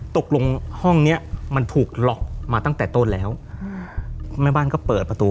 ตกลงห้องเนี้ยมันถูกล็อกมาตั้งแต่ต้นแล้วแม่บ้านก็เปิดประตู